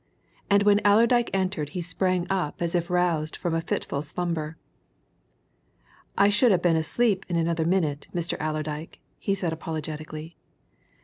And when Allerdyke entered he sprang up as if roused from a fitful slumber. "I should ha' been asleep in another minute, Mr. Allerdyke," he said apologetically.